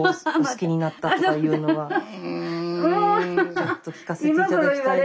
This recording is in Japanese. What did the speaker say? ちょっと聞かせて頂きたいですね。